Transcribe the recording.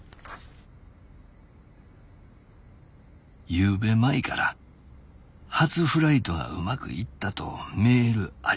「昨夜舞から初フライトがうまくいったとメールあり。